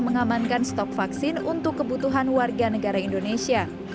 mengamankan stok vaksin untuk kebutuhan warga negara indonesia